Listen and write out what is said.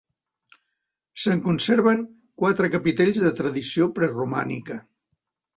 Se'n conserven quatre capitells de tradició preromànica.